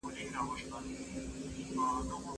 د ټولنې د پرمختګ لپاره دوامداره څېړنه ټولو ته مهمه ده.